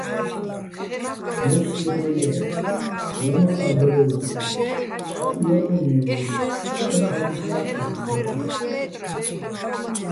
მო́სსიჼ დრო ჲე́ჸენე́, ვო́მაჸ არ-დარე́ვადალიჼ: ცჰ̦ა იაპონიე ვალირ, ცჰ̦ა ქალქირნა ფჰ̦ეჰ̦ ვატირ.